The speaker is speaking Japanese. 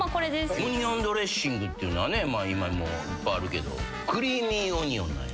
オニオンドレッシングっていうのは今いっぱいあるけどクリーミィオニオンなんや。